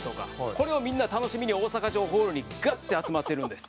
これをみんな楽しみに大阪城ホールにガッて集まってるんです。